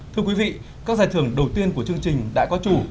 thưa quý vị các giải thưởng đầu tiên của chương trình đã có chủ